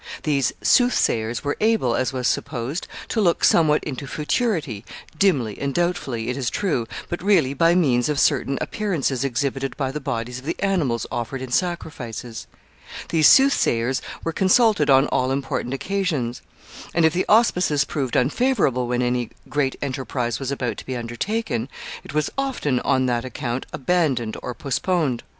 These soothsayers were able, as was supposed, to look somewhat into futurity dimly and doubtfully, it is true, but really, by means of certain appearances exhibited by the bodies of the animals offered in sacrifices These soothsayers were consulted on all important occasions; and if the auspices proved unfavorable when any great enterprise was about to be undertaken, it was often, on that account, abandoned or postponed.